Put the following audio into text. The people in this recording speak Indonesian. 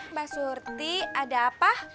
mbak surti ada apa